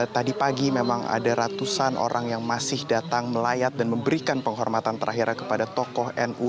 tadi pagi memang ada ratusan orang yang masih datang melayat dan memberikan penghormatan terakhir kepada tokoh nu